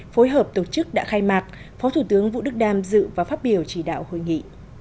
phối hợp tổ chức đã khai mạc phó thủ tướng vũ đức đam dự và phát biểu chỉ đạo hội nghị